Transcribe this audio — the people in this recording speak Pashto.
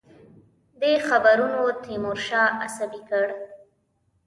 دې خبرونو تیمورشاه عصبي کړ.